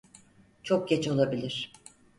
Çok geç olabilir.